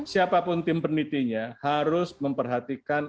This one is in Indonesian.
siapapun tim penelitinya harus memperhatikan